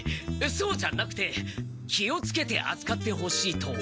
そうじゃなくて気をつけてあつかってほしいと。